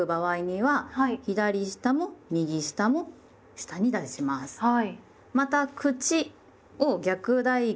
はい。